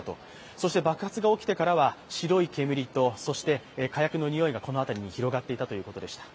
そして爆発が起きてからは、白い煙と火薬のにおいがこの辺りに広がっていたということでした。